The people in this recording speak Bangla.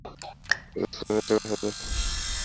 পাঁচ বছর ছিলাম নেত্রকোণা সদর হাসপাতালে।